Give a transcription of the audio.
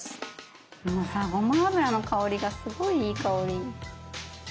もうさごま油の香りがすごいいい香り！